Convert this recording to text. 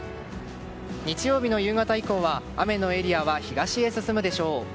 日曜日の夕方以降は雨のエリアは東へ進むでしょう。